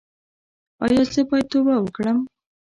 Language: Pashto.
ایا زه باید توبه وکړم؟